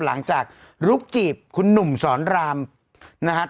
หลังจากลุกจีบคุณหนุ่มสอนรามนะครับ